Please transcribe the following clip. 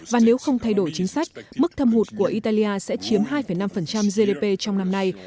và nếu không thay đổi chính sách mức thâm hụt của italia sẽ chiếm hai năm gdp trong năm nay